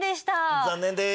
残念でーす。